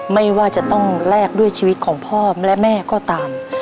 ไม่ว่าจะต้องแลกด้วยชีวิตของพ่อและแม่ก็ตาม